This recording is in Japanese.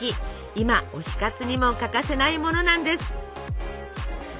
今推し活にも欠かせないものなんです。